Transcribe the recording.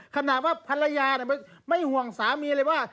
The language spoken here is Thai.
ขนาดว่าภรรยาไม่ห่วงสามีเลยว่า